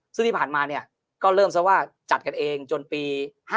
ซึ่งที่ผ่านมาเนี่ยก็เริ่มซะว่าจัดกันเองจนปี๕๗